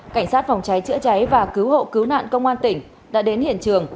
cảnh sát phòng cháy chữa cháy và cứu hộ cứu nạn công an tỉnh đã đến hiện trường